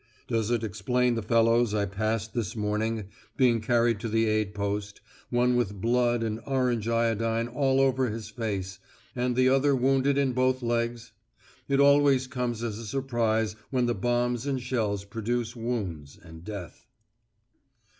Does it explain the fellows I passed this morning being carried to the Aid Post, one with blood and orange iodine all over his face, and the other wounded in both legs? It always comes as a surprise when the bombs and shells produce wounds and death....